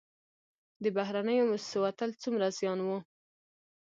د بهرنیو موسسو وتل څومره زیان و؟